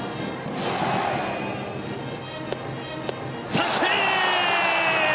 三振！